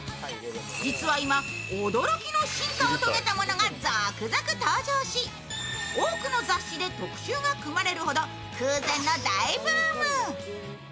実は今、驚きの変化を遂げたものが続々登場し多くの雑誌が特集が組まれるほど空前の大ブーム。